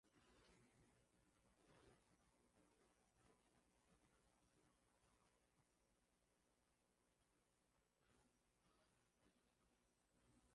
Walifaulu kupata hukumu ya mahakama iliyosema si halali kuwa na watumwa nchini Uingereza